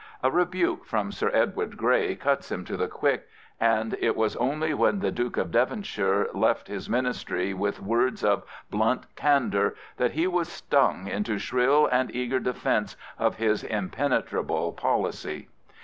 A rebuke from Sir Edward Grey cuts him to the quick, and it was only when the Duke of Devonshire left his Ministry with words of blunt candour that he was stung into shrill and eager defence of his impenetrable policy.